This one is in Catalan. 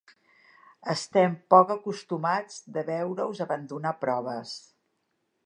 Estem poc acostumats de veure-us abandonar proves.